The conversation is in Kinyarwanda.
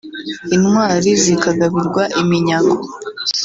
Intwari zikagabirwa iminyago